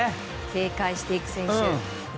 警戒していく選手と。